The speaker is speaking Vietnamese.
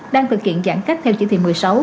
đang thực hiện giãn cách theo chỉ thị một mươi sáu